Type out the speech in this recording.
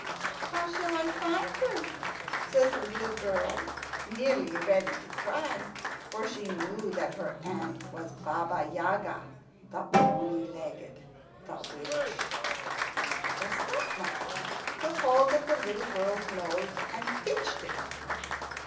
"How shall I find her?" says the little girl, nearly ready to cry, for she knew that her aunt was Baba Yaga, the bony legged, the witch. The stepmother took hold of the little girl's nose and pinched it.